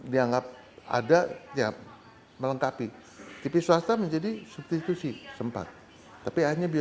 biasanya catalunya setuju di apsennya